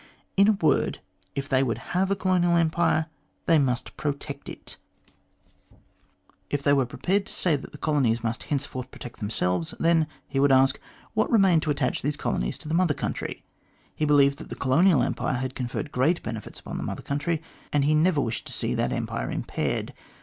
In a word, if they would have a colonial empire, they must protect it. MR GLADSTONE AND THE COLONIES 241 If they were prepared to say that the colonies must hence forth protect themselves, then, he would ask, what remained to attach these colonies to the Mother Country ? He be lieved that the Colonial Empire had conferred great benefits upon the Mother Country, and he never wished to see that Empire impaired.